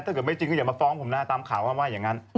ถ้าจะไม่จริงอย่ามาฟ้องผมหน้าตามข่าวว่าว่ายังงั้น